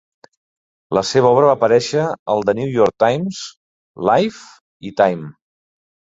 La seva obra va aparèixer al "The New York Times", "Life" i "Time".